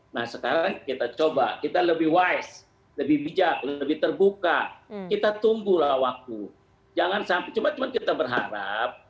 nah sekarang kita coba kita lebih wise lebih bijak lebih terbuka kita tunggulah waktu jangan sampai cuma cuma kita berharap